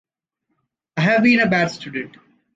I have been a bad student.